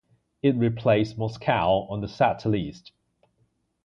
It replaced Moskau on the setlist.